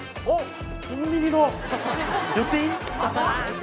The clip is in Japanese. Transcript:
おっ！